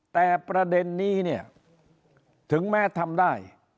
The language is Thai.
แต่ประเด็นนี้เนี่ยถึงแม้ทำได้